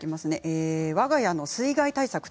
わが家の水害対策です。